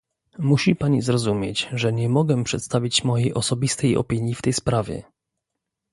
Musi pani zrozumieć, że nie mogę przedstawić mojej osobistej opinii w tej sprawie